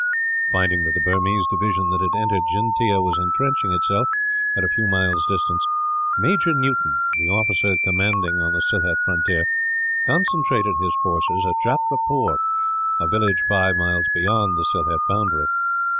Finding that the Burmese division that had entered Jyntea was intrenching itself, at a few miles' distance, Major Newton, the officer commanding on the Sylhet frontier, concentrated his force at Jatrapur, a village five miles beyond the Sylhet boundary.